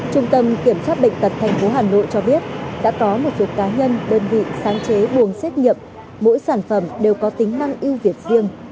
trung tâm kiểm soát bệnh tật thành phố hà nội cho biết đã có một số cá nhân đơn vị sáng chế buồng xếp nhậm mỗi sản phẩm đều có tính năng ưu việt riêng